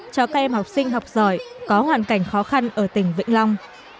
cho các em học sinh học giỏi có hoàn cảnh khó khăn ở tỉnh vĩnh long